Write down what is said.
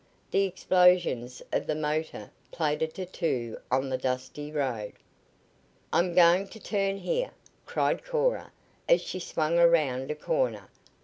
The explosions of the motor played a tattoo on the dusty road. "I'm going to turn here!" cried Cora as she swung around a corner.